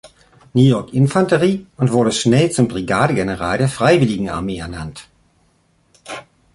New York Infanterie und wurde schnell zum Brigadegeneral der Freiwilligenarmee ernannt.